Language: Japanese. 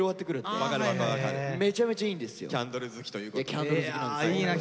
キャンドル好きなんです。